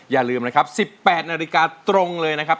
อย่าลืมนะครับ๑๘นาฬิกาตรงเลยนะครับ